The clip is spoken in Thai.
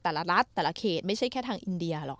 รัฐแต่ละเขตไม่ใช่แค่ทางอินเดียหรอก